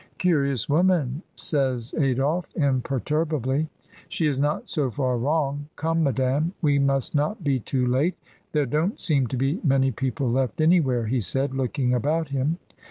"Curious woman," says Adolphe, imperturbably. "She is not so far wrong. Come, madame, we must not be too late. There don't seem to be many people left anywhere," he said, looking about him.